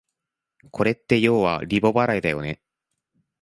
これってようはリボ払いだよね